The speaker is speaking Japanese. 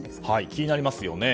気になりますよね。